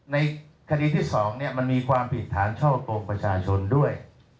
ในคดีที่๒มันมีความผิดฐานช่อกงประชาชนด้วย